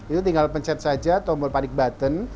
itu tinggal pencet saja tombol panic button